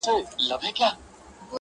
• چاته يې لمنه كي څـه رانــه وړل.